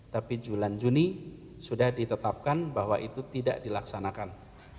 tapi bulan juni sudah ditetapkan bahwa itu tidak dilaksanakan